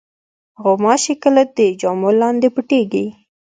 غوماشې کله د جامو لاندې پټېږي.